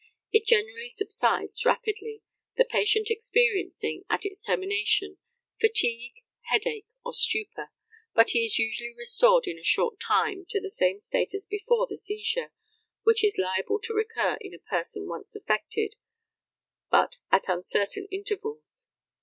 It generally subsides rapidly, the patient experiencing, at its termination, fatigue, headache, or stupor; but he is usually restored in a short time to the same state as before the seizure, which is liable to recur in a person once affected, but at uncertain intervals.